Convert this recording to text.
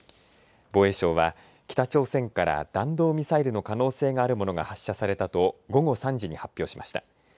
防衛省は北朝鮮から弾道ミサイルの可能性があるものが発射されたと午後３時に発表しました。